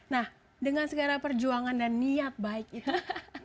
nah dengan segala perjuangan dan niat baik itu